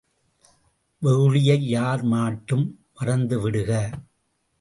வெகுளியை யார் மாட்டும் மறந்து விடுக!